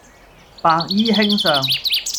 白衣卿相